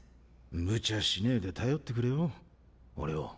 無茶しねぇで頼ってくれよ俺を。